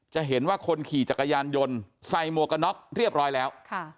จะเห็นว่าคนขี่จักรยานยนต์ใส่หมวกกันน็อกเรียบร้อยแล้ว